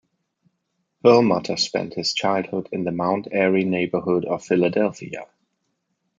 Perlmutter spent his childhood in the Mount Airy neighborhood of Philadelphia.